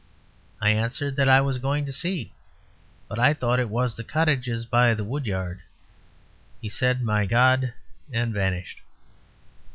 I answered that I was going to see, but thought it was the cottages by the wood yard. He said, "My God!" and vanished.